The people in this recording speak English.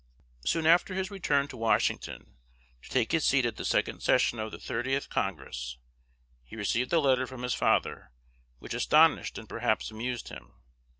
Soon after his return to Washington, to take his seat at the second session of the Thirtieth Congress, he received a letter from his father, which astonished and perhaps amused him.